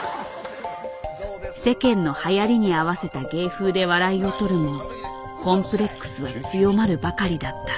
世間のはやりに合わせた芸風で笑いをとるもコンプレックスは強まるばかりだった。